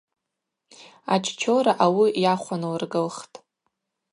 Аччора ауи йахвынлыргылхтӏ.